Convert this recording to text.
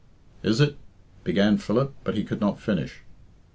"Is it " began Philip, but he could not finish.